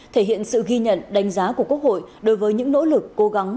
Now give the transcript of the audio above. thể hiện sự ghi nhận đánh giá của quốc hội đối với những nỗ lực cố gắng